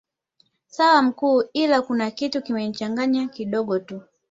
Sawa mkuu ila kuna kitu kimenichanganya kidogo tu